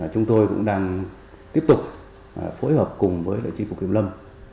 chúng tôi cũng đang tiếp tục phối hợp cùng với hạt kiểm lâm